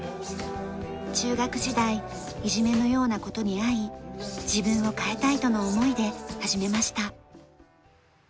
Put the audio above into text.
中学時代いじめのような事に遭い自分を変えたいとの思いで始めました。